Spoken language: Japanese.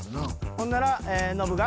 ほんならノブが。